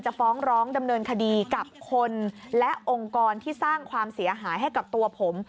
ฟ้องร้องดำเนินคดีกับคนและองค์กรที่สร้างความเสียหายให้กับตัวผม